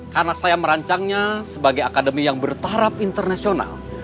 karena saya merancangnya sebagai akademi yang bertarap internasional